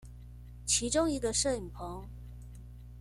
其中一個攝影棚